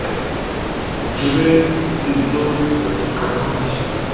zibe izo kuragirwamo amashyo